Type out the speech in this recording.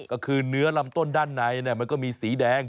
ก็คือเนื้อลำต้นด้านในมันก็มีสีแดง